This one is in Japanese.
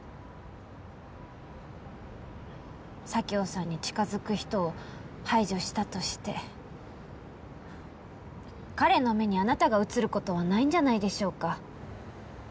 佐京さんに近づく人を排除したとして彼の目にあなたが映ることはないんじゃないでしょうか？